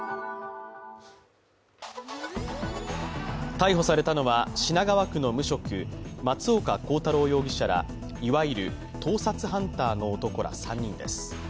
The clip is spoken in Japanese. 逮捕されたのは品川区の無職、松岡洸太郎容疑者らいわゆる盗撮ハンターの男ら３人です。